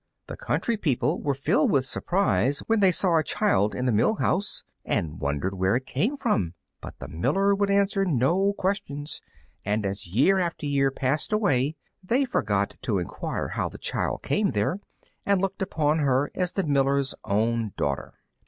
The country people were filled with surprise when they saw a child in the mill house, and wondered where it came from; but the miller would answer no questions, and as year after year passed away they forgot to enquire how the child came there and looked upon her as the miller's own daughter.